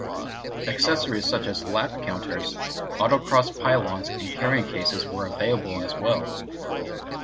Accessories such as lap counters, autocross pylons and carrying cases were available as well.